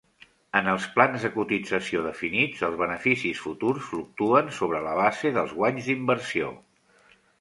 En els plans de cotització definits, els beneficis futurs fluctuen sobre la base dels guanys d'inversió.